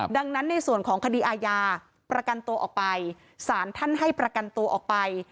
ดังนั้นในส่วนของคดีอาญาประกันตัวออกไปศาลท่านให้ประกันตัวออกไป